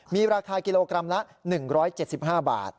มีราคากิโลกรัมละ๑๗๕บาท